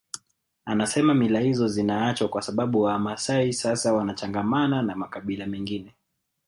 Anasema mila hizo zinaachwa kwa sababu Wamaasai sasa wanachangamana na makabila mengine